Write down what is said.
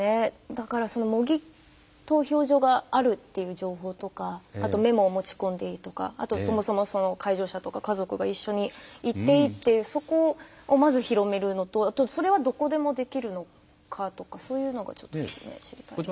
だから、模擬投票所があるっていう情報とかあと、メモを持ち込んでいいとかあと、そもそも介助者とか家族が一緒に行っていいというそこをまず広めるのとあと、それはどこでもできるのかとかそういうのがちょっと知りたいですね。